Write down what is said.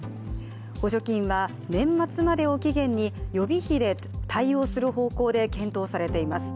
補助金は年末までを期限に予備費で対応する方向で検討されています。